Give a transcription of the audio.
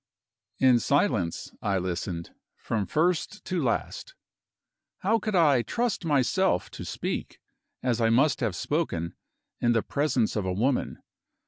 In silence I listened, from first to last. How could I trust myself to speak, as I must have spoken, in the presence of a woman?